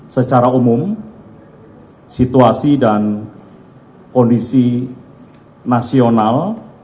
secara umum situasi dan kondisi nasional